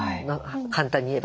簡単に言えば。